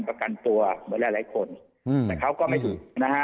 ประกันตัวเหมือนรายคนอืมแต่เขาก็ไม่ถือนะฮะ